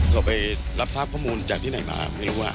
เราไปรับทราบข้อมูลจากที่ไหนมาไม่รู้ว่า